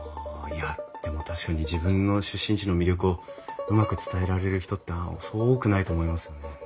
いやでも確かに自分の出身地の魅力をうまく伝えられる人ってそう多くないと思いますよね。